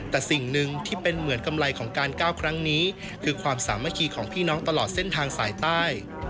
แต่สิ่งหนึ่งที่เป็นเหมือนกำไรของการก้าวครั้งนี้คือความสามัคคีของพี่น้องตลอดเส้นทางสายใต้